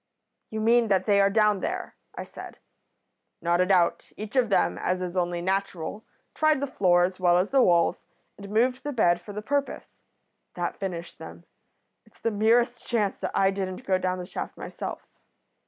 "'You mean that they are down there?' I said. "'Not a doubt. Each of them, as is only natural, tried the floor as well as the walls, and moved the bed for the purpose. That finished them. It's the merest chance that I didn't go down the shaft myself.'